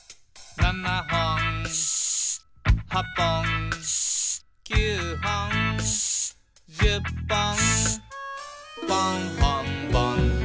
「７ほん８ぽん９ほん」「１０ぽん」